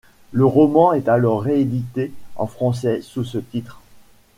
Le roman est alors réédité en français sous ce titre.